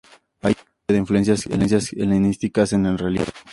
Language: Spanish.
Hay evidencia de influencias helenísticas en el relieve.